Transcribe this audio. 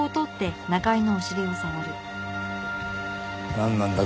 なんなんだ？